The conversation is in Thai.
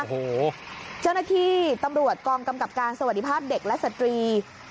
โอ้โหเจ้าหน้าที่ตำรวจกองกำกับการสวัสดีภาพเด็กและสตรี